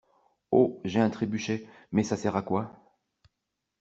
Ho j'ai un trébuchet, mais ça sert à quoi?